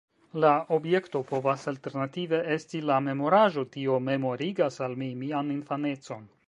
La objekto povas alternative esti la memoraĵo: Tio memorigas al mi mian infanecon.